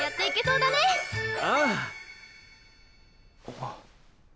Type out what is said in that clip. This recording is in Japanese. あっ。